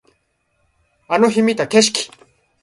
あの日見た景色